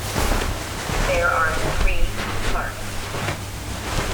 There are three parks.